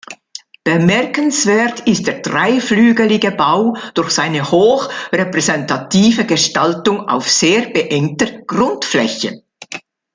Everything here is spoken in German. Bemerkenswert ist der dreiflügelige Bau durch seine hoch repräsentative Gestaltung auf sehr beengter Grundfläche.